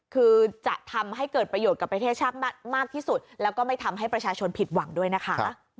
คือจะทำให้เกิดประโยชน์กับประเทศชาติมากที่สุดแล้วก็ไม่ทำให้ประชาชนผิดหวังด้วยนะคะ